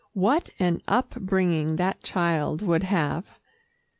What an up bringing that child would have!